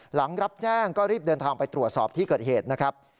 หลังรับแจ้งก็รีบเดินทางไปตรวจสอบที่เกิดเหตุนะครับ